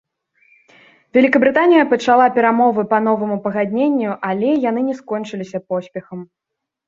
Вялікабрытанія пачала перамовы па новаму пагадненню, але яны не скончыліся поспехам.